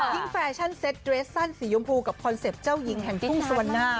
แฟชั่นเซ็ตเดรสสั้นสียมพูกับคอนเซ็ปต์เจ้าหญิงแห่งกุ้งสวรรณา